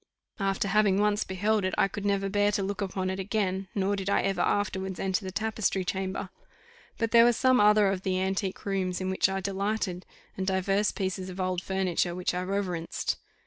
After having once beheld it, I could never bear to look upon it again, nor did I ever afterwards enter the tapestry chamber: but there were some other of the antique rooms in which I delighted, and divers pieces of old furniture which I reverenced.